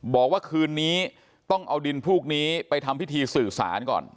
บอกว่าคืนนี้ต้องเอาดินพวกนี้ไปทำพิธีสื่อสารก่อน